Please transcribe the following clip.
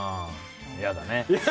嫌だね。